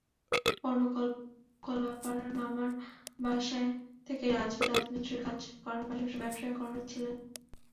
বনকলাপাড়ার মামার বাসায় থেকে রাজু রাজমিস্ত্রির কাজ করার পাশাপাশি ব্যবসা করছিলেন।